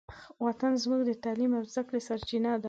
وطن زموږ د تعلیم او زدهکړې سرچینه ده.